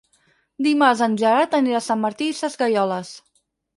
Dimarts en Gerard anirà a Sant Martí Sesgueioles.